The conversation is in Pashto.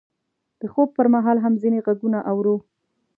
د خوب پر مهال هم ځینې غږونه اورو.